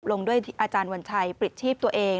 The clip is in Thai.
ลงด้วยอาจารย์วัญชัยปลิดชีพตัวเอง